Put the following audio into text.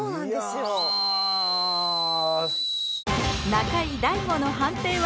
中居大悟の判定は？